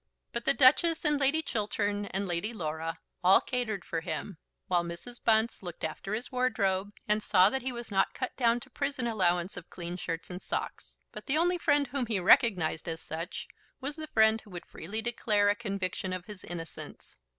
But the Duchess and Lady Chiltern and Lady Laura all catered for him, while Mrs. Bunce looked after his wardrobe, and saw that he was not cut down to prison allowance of clean shirts and socks. But the only friend whom he recognised as such was the friend who would freely declare a conviction of his innocence.